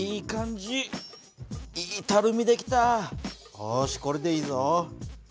よしこれでいいぞ。